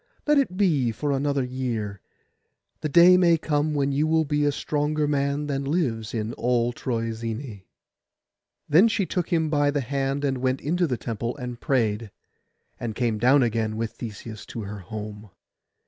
Let it be for another year. The day may come when you will be a stronger man than lives in all Troezene.' Then she took him by the hand, and went into the temple and prayed, and came down again with Theseus to her home.